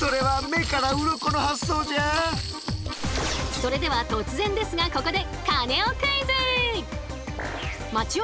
それでは突然ですがここでさあカネオクイズでございます。